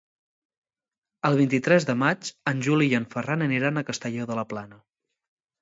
El vint-i-tres de maig en Juli i en Ferran aniran a Castelló de la Plana.